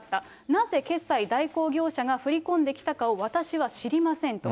なぜ決済代行業者が振り込んできたかを私は知りませんと。